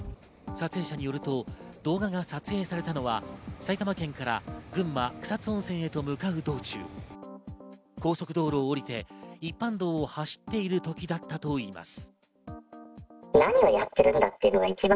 撮影者によると、動画が撮影されたのは埼玉県から群馬・草津温泉へと向かう道中、高速道路を下りて一般道を走っている時だったといいます。